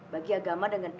bagi agama dan negaramu